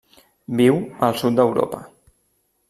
Viu al sud d'Europa.